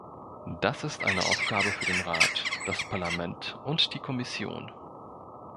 Das ist eine Aufgabe für den Rat, das Parlament und die Kommission.